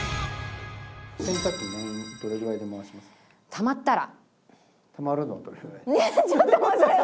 たまったら。